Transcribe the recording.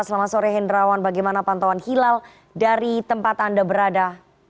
selamat sore hendrawan bagaimana pantauan hilal dari tempat anda berada